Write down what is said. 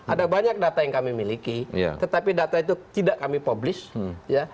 ada banyak data yang kami miliki tetapi data itu tidak kami publish ya